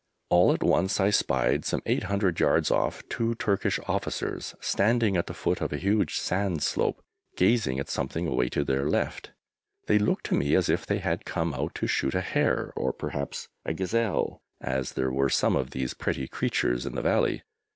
All at once I spied, some 800 yards off, two Turkish officers standing at the foot of a huge sand slope, gazing at something away to their left. They looked to me as if they had come out to shoot a hare, or perhaps a gazelle, as there were some of these pretty creatures in the Valley.